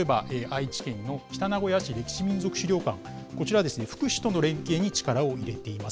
例えば愛知県の北名古屋市歴史民俗資料館、こちらは、福祉との連携に力を入れています。